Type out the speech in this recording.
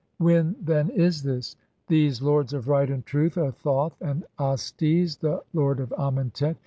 When then (89) is this? These lords of right and truth are Thoth and (90) Astes, the lord of Amentet.